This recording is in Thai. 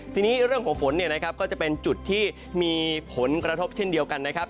ทีนี้เรื่องของฝนเนี่ยนะครับก็จะเป็นจุดที่มีผลกระทบเช่นเดียวกันนะครับ